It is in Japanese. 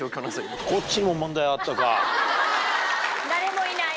誰もいない。